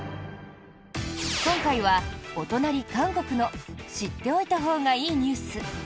今回はお隣、韓国の知っておいたほうがいいニュース。